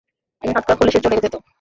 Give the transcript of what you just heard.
আমার হাতকড়া খুলে সে চলে যেত।